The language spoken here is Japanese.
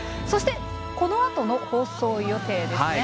そしてこのあとの放送予定です。